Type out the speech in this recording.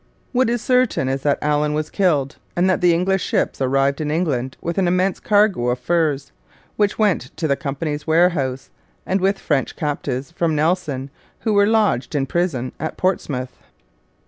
What is certain is that Allen was killed and that the English ships arrived in England with an immense cargo of furs, which went to the Company's warehouse, and with French captives from Nelson, who were lodged in prison at Portsmouth.